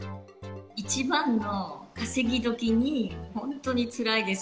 一番の稼ぎ時に本当につらいです。